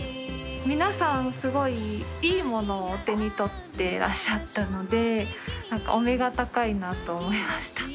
皆さんすごいいい物をお手に取ってらっしゃったのでお目が高いなと思いました。